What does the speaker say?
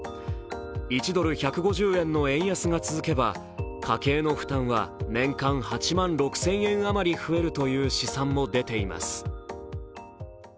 １ドル＝１５０円の円安が続けば家計の負担は年間８万６０００円あまり増えるという試算も出ています。